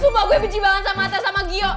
sumpah gue benci banget sama atas sama gio